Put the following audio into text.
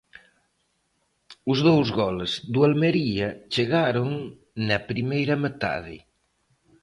Os dous goles do Almería chegaron na primeira metade.